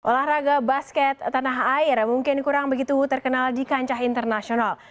olahraga basket tanah air mungkin kurang begitu terkenal di kancah internasional